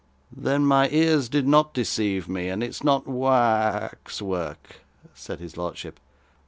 'Then my ears did not deceive me, and it's not wa a x work,' said his lordship.